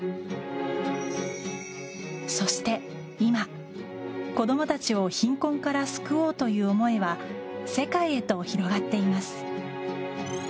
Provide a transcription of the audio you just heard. そして今、子供たちを貧困から救おうという思いは世界へと広がっています。